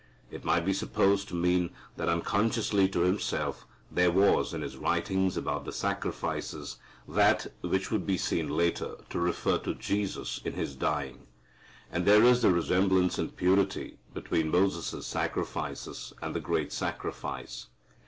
It might be supposed to mean that unconsciously to himself there was, in his writings about the sacrifices, that which would be seen later to refer to Jesus in His dying. And there is the resemblance in purity between Moses' sacrifices and the great Sacrifice.